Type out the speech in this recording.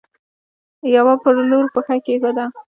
يوه پر لور پښه کيښوده.